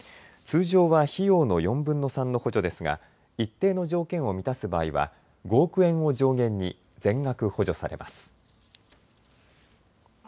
通常は費用の４分の３の補助ですが一定の条件を満たす場合は５億円を上限に全額補助されます。